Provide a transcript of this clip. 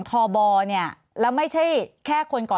สวัสดีครับทุกคน